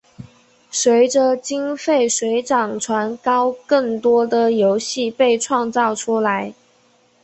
随着经费水涨船高更多的游戏被创造出来。